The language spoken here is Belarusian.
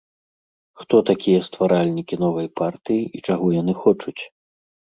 Хто такія стваральнікі новай партыі, і чаго яны хочуць?